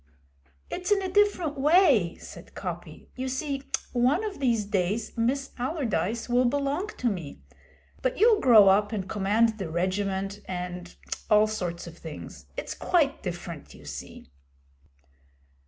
'It's in a different way,' said Coppy. 'You see, one of these days Miss Allardyce will belong to me, but you'll grow up and command the Regiment and all sorts of things. It's quite different, you see.'